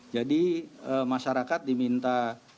jadi masyarakat diminta